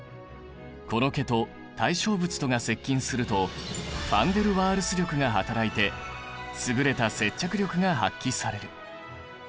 この毛と対象物とが接近するとファンデルワールス力が働いて優れた接着力が発揮される。